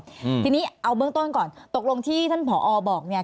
จะมีอารมณ์ร่วมทีนี้เอาเบื้องต้นก่อนตกลงที่ท่านผอบอกเนี่ย